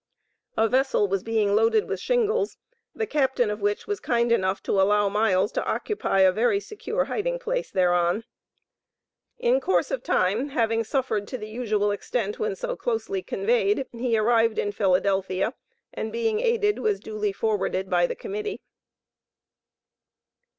A vessel was being loaded with shingles, the captain of which was kind enough to allow Miles to occupy a very secure hiding place thereon. In course of time, having suffered to the extent usual when so closely conveyed, he arrived in Philadelphia, and being aided, was duly forwarded by the Committee.